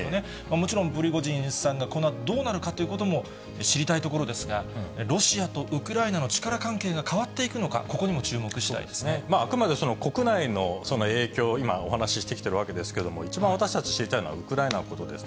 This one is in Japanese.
もちろんプリゴジンさんが、このあとどうなるかということも、知りたいところですが、ロシアとウクライナの力関係が変わっていくのか、あくまでその国内の影響、今お話してきているわけですけれども、一番私たち知りたいのは、ウクライナのことです。